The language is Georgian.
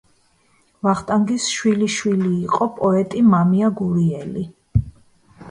ვახტანგის შვილიშვილი იყო პოეტი მამია გურიელი.